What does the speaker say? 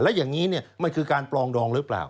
แล้วอย่างนี้มันคือการปลองดองหรือเปล่า